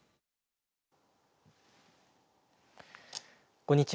こんにちは。